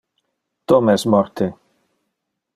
Tom es morte.